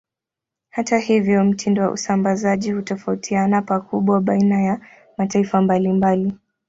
Hata hivyo, mtindo wa usambazaji hutofautiana pakubwa baina ya mataifa mbalimbali.